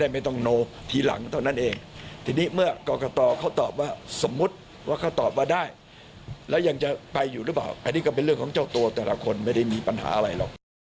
เป็นเรื่องของเจ้าตัวแต่ละคนไม่ได้มีปัญหาอะไรหรอก